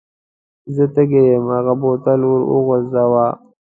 زه تږی یم هغه بوتل ور وغورځاوه.